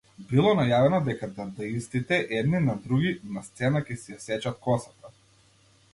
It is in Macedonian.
Било најавено дека дадаистите едни на други, на сцена, ќе си ја сечат косата.